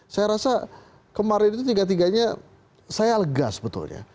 saya rasa kemarin itu tiga tiganya saya legas betulnya